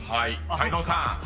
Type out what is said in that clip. ［泰造さん